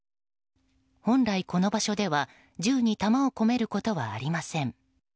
本来この場所では銃に弾を込めることはありません。